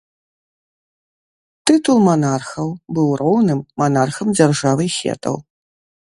Тытул манархаў быў роўным манархам дзяржавы хетаў.